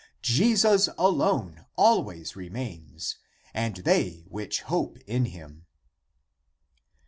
Jesus alone always remains and they which hope in him."